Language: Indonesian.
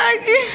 udah tekan lagi